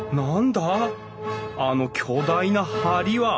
あの巨大な梁は！